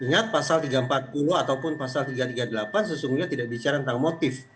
ingat pasal tiga ratus empat puluh ataupun pasal tiga ratus tiga puluh delapan sesungguhnya tidak bicara tentang motif